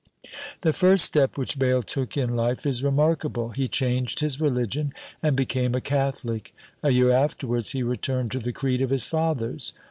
The first step which Bayle took in life is remarkable. He changed his religion and became a catholic. A year afterwards he returned to the creed of his fathers.